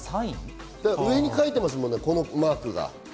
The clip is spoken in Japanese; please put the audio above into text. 上に描いてますもんね、このマークが。